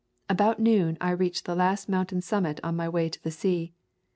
About noon I reached the last mountain summit on my way to the sea.